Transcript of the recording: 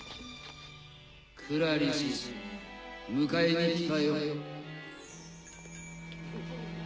クラリス迎えに来たよ。